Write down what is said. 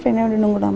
reina udah nunggu lama